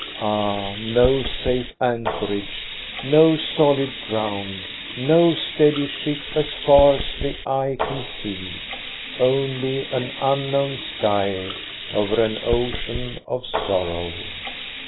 Ah, no safe anchorage, no solid ground, no steady ship, as far as the eye can see ; only an unknown sky over an ocean of sorrow